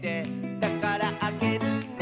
「だからあげるね」